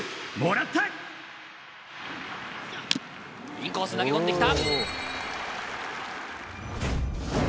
インコース投げ込んで来た！